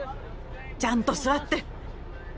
ちゃんと座って。